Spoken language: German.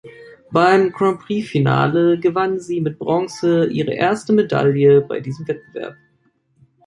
Beim Grand-Prix-Finale gewannen sie mit Bronze ihre erste Medaille bei diesem Wettbewerb.